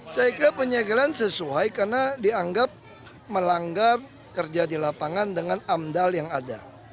saya kira penyegelan sesuai karena dianggap melanggar kerja di lapangan dengan amdal yang ada